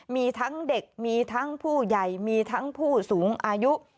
มีทั้งเด็กมีทั้งผู้ใหญ่มีทั้งผู้สูงอายุ